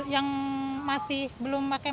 yang masih belum pakai